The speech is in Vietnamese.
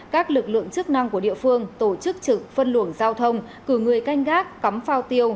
các lực lượng chức năng của địa phương tổ chức trực phân luồng giao thông cử người canh gác cắm phao tiêu